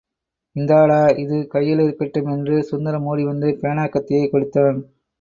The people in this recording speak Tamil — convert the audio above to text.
இந்தாடா, இது கையிலிருக்கட்டும் என்று சுந்தரம் ஓடிவந்து, பேனாக்கத்தியைக் கொடுத்தான்.